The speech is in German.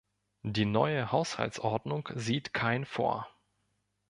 Die neue Haushaltsordnung sieht kein vor.